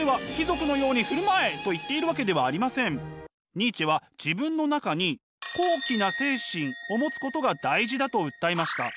ニーチェは自分の中に高貴な精神を持つことが大事だと訴えました。